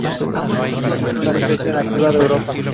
Es una especie nativa de Europa.